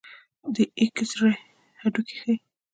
د ایکس رې هډوکي ښيي.